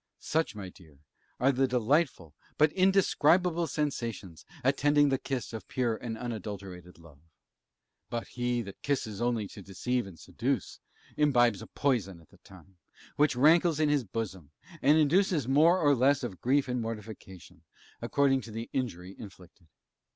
Such, my dear, are the delightful, but indescribable sensations attending the kiss of pure and unadulterated love. But he that kisses only to deceive and seduce, imbibes a poison at the time, which rankles in his bosom, and induces more or less of grief and mortification, according to the injury inflicted.